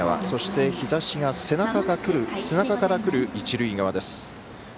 そして、日差しが背中からくる一塁側です。